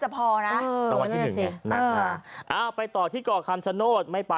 ประมาณที่๑ไง